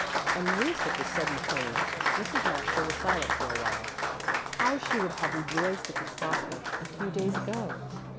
Amazed at this sudden change, Mrs. Maxa was silent for a while. How she would have rejoiced at this prospect a few days ago!